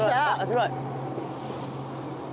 すごい。